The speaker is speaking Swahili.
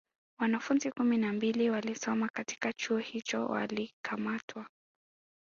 Wanafunzi kumi na mbili walisoma katika Chuo hicho walikamatwa